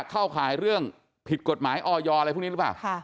เข้าขายเรื่องผิดกฎหมายออยอะไรพวกนี้หรือเปล่า